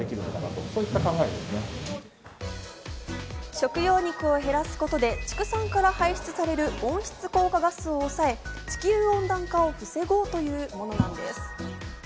食用肉を減らすことで畜産から排出される温室効果ガスを抑え地球温暖化を防ごうというものです。